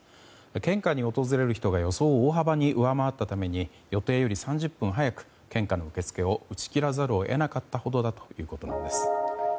献花に訪れる人が予想を大幅に上回ったために予定より３０分ほど早く献花の受け付けを打ち切らざるを得なかったそうです。